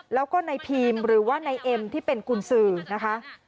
แล้วก็นายพีมหรือว่านายเอ็มที่เป็นกุญสือนะคะ